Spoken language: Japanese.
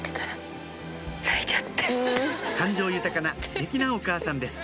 感情豊かなステキなお母さんです